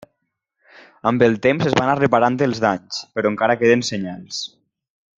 Amb el temps es va anar reparant els danys però encara queden senyals.